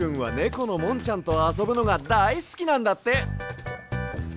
このもんちゃんとあそぶのがだいすきなんだって。